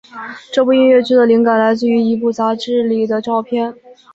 这部音乐剧的灵感来自于一本杂志里的照片。